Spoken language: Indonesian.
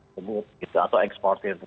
sebut gitu atau ekspor itu